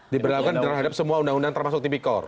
diberlakukan terhadap semua undang undang termasuk tipikor